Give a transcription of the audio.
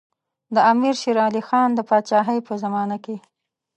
د امیر شېر علي خان د پاچاهۍ په زمانه کې.